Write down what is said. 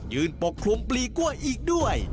ปกคลุมปลีกล้วยอีกด้วย